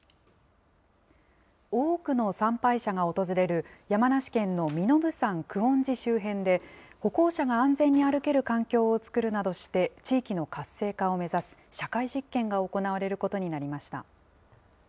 多くの参拝者が訪れる山梨県の身延山久遠寺周辺で、歩行者が安全に歩ける環境を作るなどして、地域の活性化を目指す社会実験が行われることになりました。